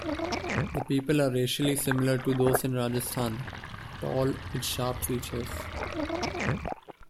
The people are racially similar to those in Rajasthan - tall, with sharp features.